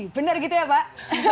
benar gitu ya pak